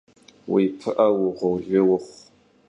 Vui pı'er vuğurlı vuxhu!